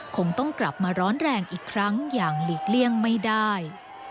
คงต้องกลับมาร้อนแรงอีกครั้งอย่างหลีกเลี่ยงไม่ได้